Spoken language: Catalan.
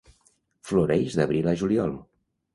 Floreix d'abril a juliol.